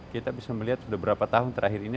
kita bisa melihat sudah berapa tahun terakhir ini